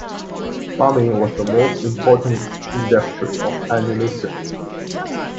Farming was the most important industry of any mission.